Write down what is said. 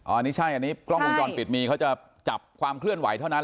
อันนี้ใช่อันนี้กล้องวงจรปิดมีเขาจะจับความเคลื่อนไหวเท่านั้น